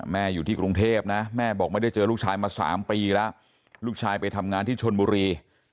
อยู่ที่กรุงเทพนะแม่บอกไม่ได้เจอลูกชายมา๓ปีแล้วลูกชายไปทำงานที่ชนบุรี